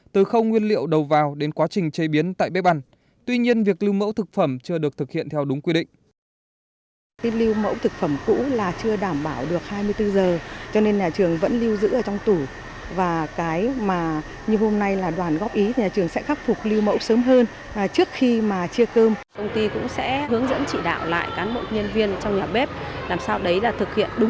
từ không nguyên liệu đầu vào đến quá trình chế biến tại bếp ăn tuy nhiên việc lưu mẫu thực phẩm chưa được thực hiện theo đúng quy định